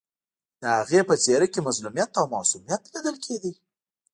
د هغې په څېره کې مظلومیت او معصومیت لیدل کېده